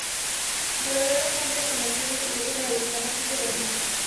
Su verdadero nombre se mantiene en secreto para los fanáticos de la lucha.